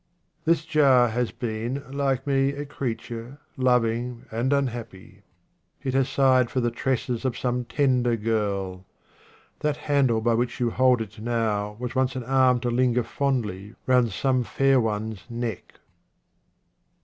This jar has been, like me, a creature, loving and unhappy. It has sighed for the tresses of *9 QUATRAINS OF OMAR KHAYYAM some tender girl. That handle by which you hold it now was once an arm to linger fondly round some fair one's neck.